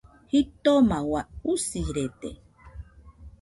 Jitoma ua, usirede.